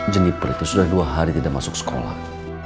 jeniper itu sudah dua hari tidak masuk ke rumah